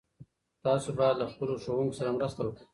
تاسو باید له خپلو ښوونکو سره مرسته وکړئ.